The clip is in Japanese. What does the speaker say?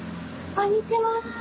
こんにちは。